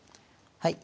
はい。